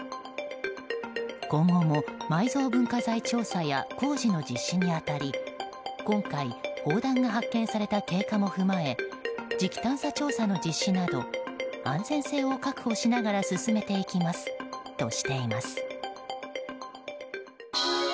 今後も、埋蔵文化財調査や工事の実施に当たり今回、砲弾が発見された経過も踏まえ磁気探査調査の実態など安全性を確保しながら進めていきますとしています。